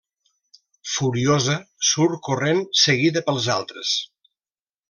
Furiosa, surt corrent, seguida pels altres.